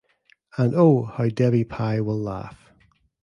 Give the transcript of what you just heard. And oh, how Debbie Pye will laugh!